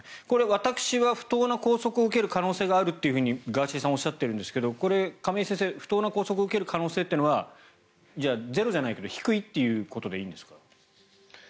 私は不当な拘束を受ける可能性があるとガーシーさんは言っていますが不当な拘束を受ける可能性はゼロじゃないけど低いということでいいんですか？